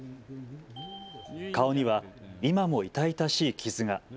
顔には今も痛々しい傷が。